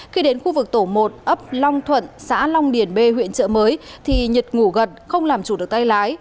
khi đến khu vực tổ một ấp long thuận xã long điền b huyện trợ mới thì nhật ngủ gật không làm chủ được tay lái